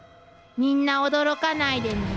みんな驚かないでね。